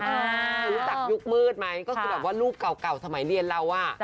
รู้จักยุคมืดมั้ยก็คือรูปเก่าสมัยเรียนเรา